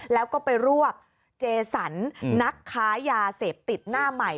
แล้วก็ไปรวบเจสันนักค้ายาเสพติดหน้าใหม่